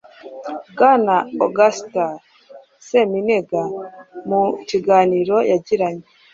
Bwana Augustus Seminega mu kiganiro yagiranye